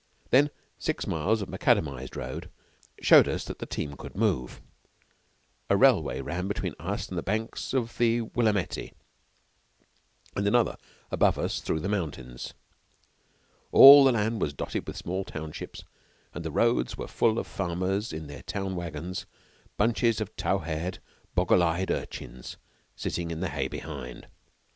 Then six miles of macadamized road showed us that the team could move. A railway ran between us and the banks of the Willamette, and another above us through the mountains. All the land was dotted with small townships, and the roads were full of farmers in their town wagons, bunches of tow haired, boggle eyed urchins sitting in the hay behind.